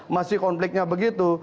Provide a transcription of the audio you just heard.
masih konfliknya begitu